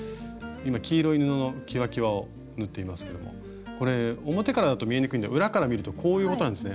今黄色い布のきわきわを縫っていますけどもこれ表からだと見えにくいんで裏から見るとこういうことなんですね。